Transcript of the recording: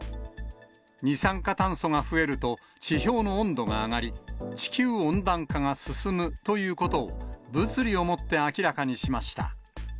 二酸化炭素が増えると、地表の温度が上がり、地球温暖化が進むということを、物理をもって明らかにしました。